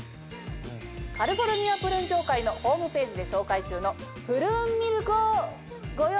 カリフォルニアプルーン協会のホームページで紹介中のプルーンミルクをご用意しました。